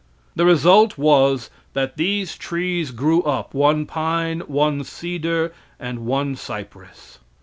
The result was that these trees grew up one pine, one cedar, and on cypress.